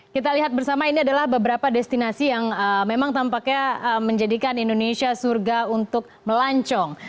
kita lihat bersama ini adalah beberapa destinasi yang memang tampaknya menjadikan indonesia surga untuk melancong